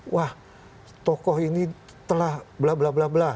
wah tokoh ini telah bla bla bla bla